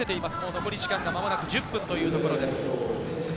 残り時間は間もなく１０分というところです。